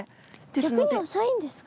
逆に浅いんですか？